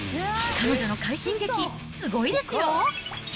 彼女の快進撃、すごいですよ。